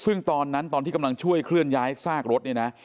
ซึ่งตอนนั้นตอนที่กำลังช่วยเคลื่อนย้ายซากรถเนี่ยนะ